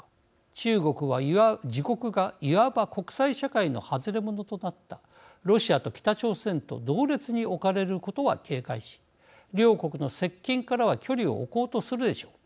中国は自国がいわば国際社会の外れものとなったロシアと北朝鮮と同列に置かれることは警戒し両国の接近からは距離を置こうとするでしょう。